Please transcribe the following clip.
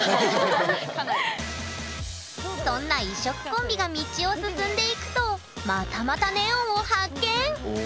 そんな異色コンビが道を進んでいくとまたまたネオンを発見！